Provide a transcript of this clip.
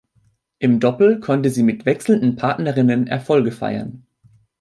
Im Doppel konnte sie mit wechselnden Partnerinnen Erfolge feiern.